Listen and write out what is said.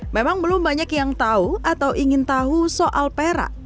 memang belum banyak yang tahu atau ingin tahu soal perak